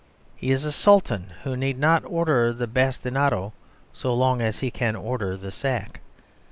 He is a Sultan who need not order the bastinado, so long as he can order the sack.